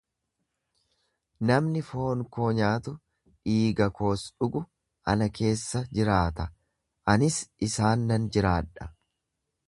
Namni foon koo nyaatu, dhiiga koos dhugu ana keessa jiraata, anis isaan nan jiraadha.